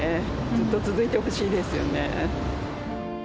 ずっと続いてほしいですよね。